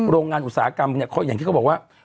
โรงงานอุตสาหกรรมเนี่ยเขาอย่างที่เขาบอกว่า